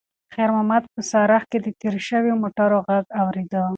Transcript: خیر محمد په سړک کې د تېرو شویو موټرو غږ اورېده.